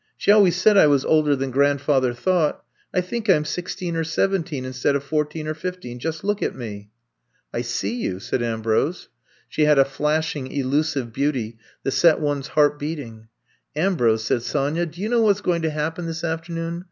She always said I was older than grandfather thought. I think I'm sixteen or seventeen, instead of fourteen or fifteen. Just look at me. '' I'VE COME TO STAY 175 ^^I see you,'' said Ambrose. She had a flashing, elusive beauty that set one 's heart beating. Ambrose,*^ said Sonya, do you know what ^s going to happen this afternoon?